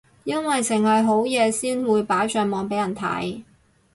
因為剩係好嘢先會擺上網俾人睇